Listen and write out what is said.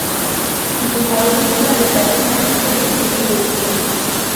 কিন্তু পরবর্তীকালে ব্যাটসম্যান হিসেবে নিজেকে গড়ে তোলেন।